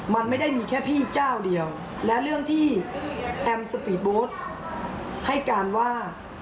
มันไม่ได้มีแค่พี่เจ้าเดียวและเรื่องที่แอมสปีดโบ๊ทให้การว่า